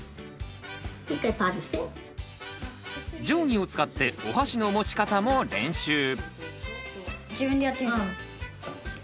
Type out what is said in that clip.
定規を使っておはしの持ち方も練習。